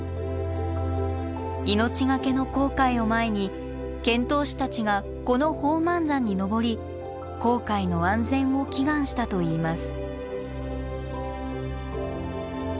命懸けの航海を前に遣唐使たちがこの宝満山に登り航海の安全を祈願したといいます。